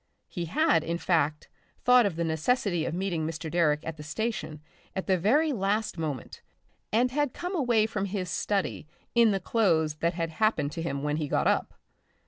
He had, in fact, thought of the necessity of meeting Mr. Direck at the station at the very last moment, and had come away from his study in the clothes that had happened to him when he got up.